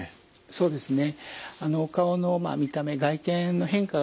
そうですね。